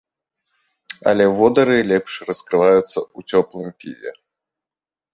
Але водары лепш раскрываюцца ў цёплым піве.